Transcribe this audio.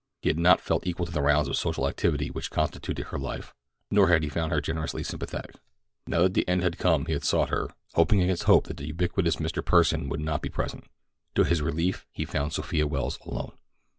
He had not felt equal to the rounds of social activity which constituted her life, nor had he found her generously sympathetic. Now that the end had come he sought her, hoping against hope that the ubiquitous Mr. Pursen would not be present. To his relief he found Sophia Welles alone.